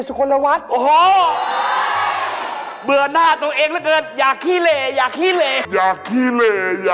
จำไม่ได้เลย